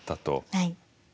はい。